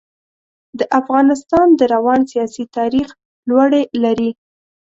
د افغانستان د روان سیاسي تاریخ لوړې لري.